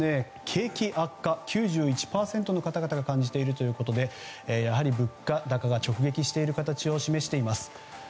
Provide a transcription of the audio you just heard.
景気悪化、９１％の方々が感じているということでやはり物価高が直撃している形を示しています。